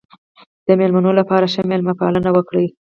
د مېلمنو لپاره ښه مېلمه پالنه وکړئ.